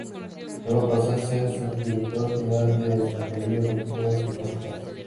Luego pasó a ser Subdirector General de Extranjería, Refugiados y Pasaportes.